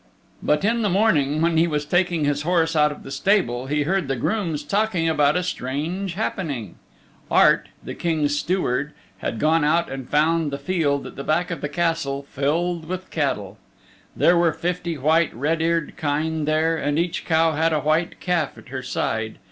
But in the morning, when he was taking his horse out of the stable, he heard the grooms talking about a strange happening. Art, the King's Steward, had gone out and had found the field at the back of the Castle filled with cattle. There were fifty white red eared kine there and each cow had a white calf at her side.